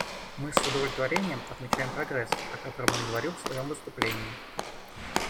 Мы с удовлетворением отмечаем прогресс, о котором он говорил в своем выступлении.